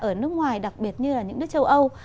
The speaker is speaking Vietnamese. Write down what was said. ở nước ngoài đặc biệt như là những nước châu âu